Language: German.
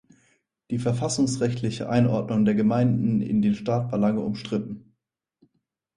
Die verfassungsrechtliche Einordnung der Gemeinden in den Staat war lange umstritten.